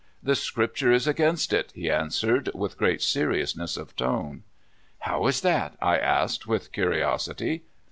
'*The Scripture is against it," he answered with great seriousness of tone. " How is that," I asked with curiosity.